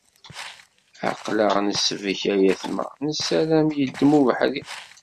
Aql-aɣ nesbek ay ayetma, nessaram yeddem ubeḥri.